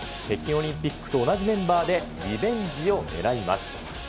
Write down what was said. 北京オリンピックと同じメンバーでリベンジをねらいます。